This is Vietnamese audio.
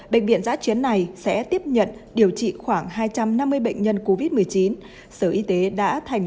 bệnh viện giã chiến này sẽ tiếp nhận điều trị khoảng hai trăm năm mươi bệnh nhân covid một mươi chín sở y tế đã thành